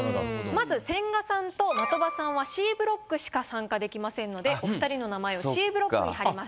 まず千賀さんと的場さんはＣブロックしか参加できませんのでお２人の名前はＣブロックに貼ります。